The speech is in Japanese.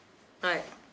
はい。